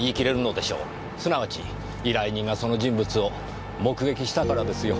すなわち依頼人がその人物を目撃したからですよ。